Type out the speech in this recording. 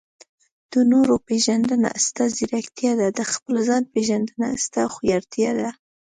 د نورو پېژندنه؛ ستا ځیرکتیا ده. د خپل ځان پېژندنه؛ ستا هوښيارتيا ده.